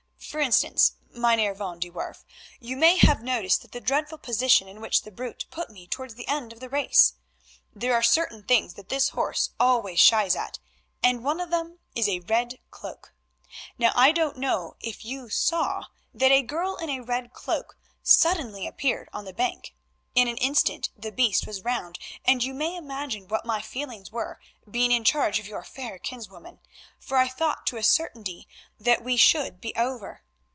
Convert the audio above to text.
For instance, Mynheer van de Werff, you may have noticed the dreadful position in which the brute put me towards the end of the race. There are certain things that this horse always shies at, and one of them is a red cloak. Now I don't know if you saw that a girl in a red cloak suddenly appeared on the bank. In an instant the beast was round and you may imagine what my feelings were, being in charge of your fair kinswoman, for I thought to a certainty that we should be over.